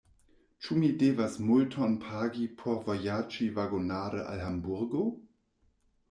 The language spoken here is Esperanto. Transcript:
Ĉu mi devas multon pagi por vojaĝi vagonare al Hamburgo?